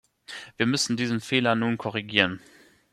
Wir müssen diesen Fehler nun korrigieren.